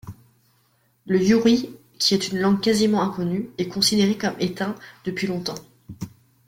Le yuri, qui est une langue quasiment inconnue, est considéré comme éteint depuis longtemps.